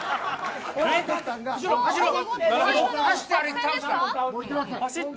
走ろう。